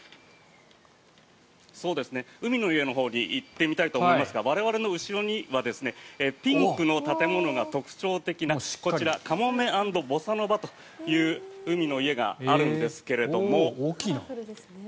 海の家のほうに行ってみたいと思いますが我々の後ろにはピンクの建物が特徴的なこちら、かもめ＆ボサノバという海の家があるんですけれども。